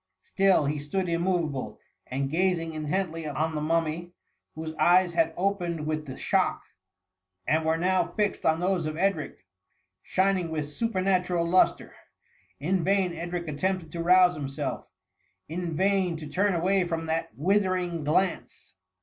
Still, he stood immoveable, and gazing intently on the mummy, whose eyes had opened with the shock, and were now fixed on those of Edric, shining with supernatiural lustre* In vain Edric attempted to rouse himself; — in vain to turn away from that withering glance.